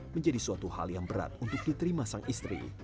menjadi suatu hal yang berat untuk diterima sang istri